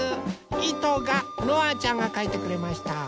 いとがのあちゃんがかいてくれました。